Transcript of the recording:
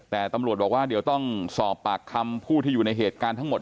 แต่ตำรวจบอกว่าเดี๋ยวต้องสอบปากคำผู้ที่อยู่ในเหตุการณ์ทั้งหมด